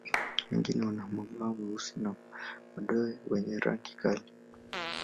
Wengine wana mabawa meusi na madoa wenye rangi kali.